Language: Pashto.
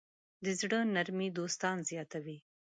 د زړۀ نرمي دوستان زیاتوي.